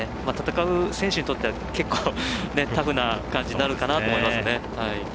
戦う選手にとっては結構タフな感じになるかなと思います。